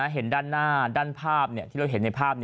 เห็นด้านหน้าด้านภาพที่เราเห็นในภาพ